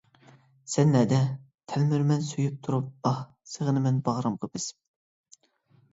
سەن نەدە؟ تەلمۈرىمەن سۆيۈپ تۇرۇپ ئاھ، سېغىنىمەن باغرىمغا بېسىپ.